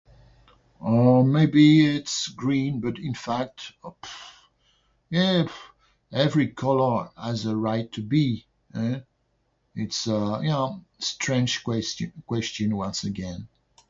uh maybe it's green but in fact, yeah, every colour has a right to be, eh? It's uh, ya-know strange question once again.